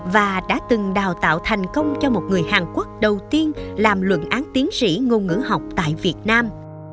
và đã từng đào tạo thành công cho một người hàn quốc đầu tiên làm luận án tiến sĩ ngôn ngữ học tại việt nam